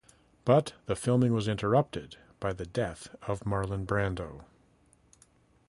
But the filming was interrupted by the death of Marlon Brando.